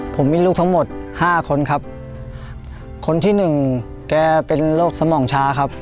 ผมมีลูกทั้งหมดห้าคนครับคนที่หนึ่งแกเป็นโรคสมองช้าครับ